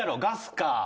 ガスか。